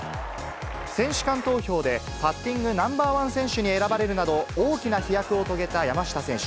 選手間投票でパッティングナンバー１選手に選ばれるなど、大きな飛躍を遂げた山下選手。